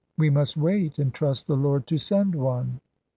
We must wait, and trust the Lord to send one."